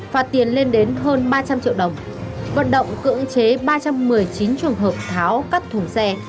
phạt tiền lên đến hơn ba trăm linh triệu đồng vận động cưỡng chế ba trăm một mươi chín trường hợp tháo cắt thùng xe